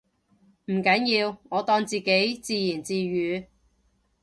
唔緊要，我當自己自言自語